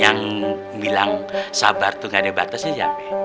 yang bilang sabar tuh gak ada batasnya ya be